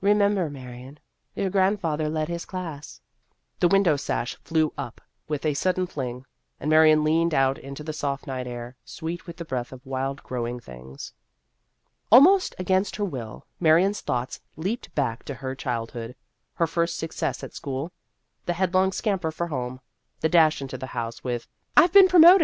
Remember, Marion, your grandfather led his class." The window sash flew up with a sud den fling, and Marion leaned out into the soft night air, sweet with the breath of wild growing things. Almost against her will, Marion's thoughts leaped back to her childhood : her first success at school the headlong scamper for home, the dash into the house with " I Ve been pro moted !